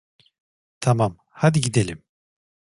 Tamam, hadi gidelim.